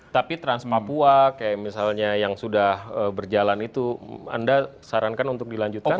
tapi trans papua kayak misalnya yang sudah berjalan itu anda sarankan untuk dilanjutkan